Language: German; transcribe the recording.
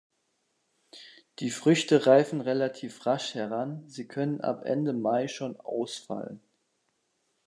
Die Früchte reifen relativ rasch heran, sie können ab Ende Mai schon ausfallen.